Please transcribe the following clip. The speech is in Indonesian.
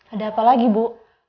ada apa lagi bu